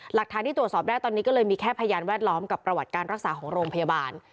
หลักฐานที่ตรวจสอบได้ตอนนี้ก็เลยมีแค่พยานแวดล้อมกับประวัติการรักษาของโรงพยาบาล